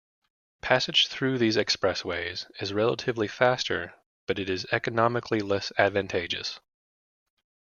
Passage through these expressways is relatively faster but it is economically less advantageous.